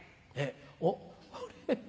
おっあれ？